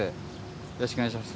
よろしくお願いします。